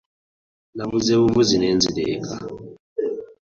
Navuze buvuzi ne nzira eka.